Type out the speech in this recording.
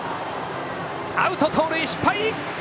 アウト、盗塁失敗！